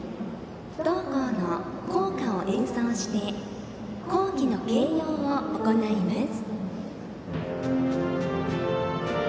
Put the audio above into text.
同校の校歌を演奏して校旗の掲揚を行います。